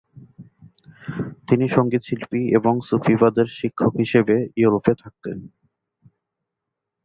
তিনি সংগীতশিল্পী এবং সুফিবাদের শিক্ষক হিসাবে ইউরোপে থাকতেন।